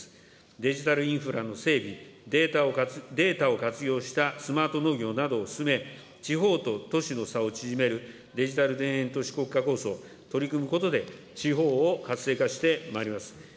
デジタルインフラの整備、データを活用したスマート農業などを進め、地方と都市の差を縮めるデジタル田園都市国家構想、取り組むことで、地方を活性化してまいります。